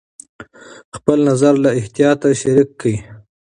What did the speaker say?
خپل نظر له احتیاطه شریک کړه.